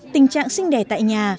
tình trạng sinh đẻ tại nhà